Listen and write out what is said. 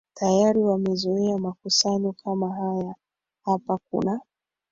tayari wamezoea makusanyo kama haya Hapa kuna